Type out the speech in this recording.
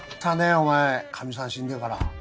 お前カミさん死んでから。